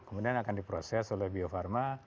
kemudian akan diproses oleh bio farma